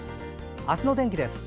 あすの天気です。